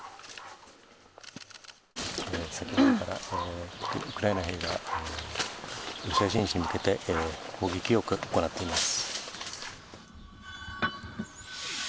先ほどから、ウクライナ兵がロシア陣地に向けて砲撃を行っています。